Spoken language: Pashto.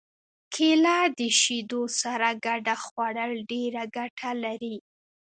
کېله د شیدو سره ګډه خوړل ډېره ګټه لري.